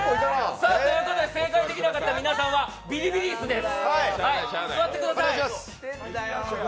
正解できなかった皆さんはビリビリ椅子です。